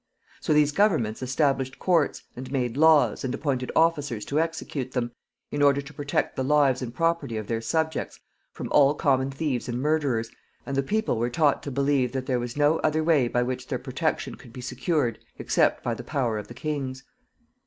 So these governments established courts, and made laws, and appointed officers to execute them, in order to protect the lives and property of their subjects from all common thieves and murderers, and the people were taught to believe that there was no other way by which their protection could be secured except by the power of the kings.